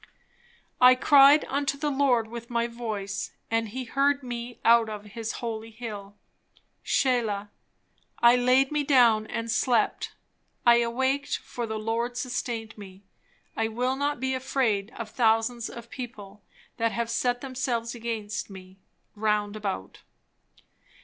"I cried unto the Lord with my voice, and he heard me out of his holy hill. Selah. I laid me down and slept; I awaked, for the Lord sustained me. I will not be afraid of thousands of people, that have set themselves against me round about."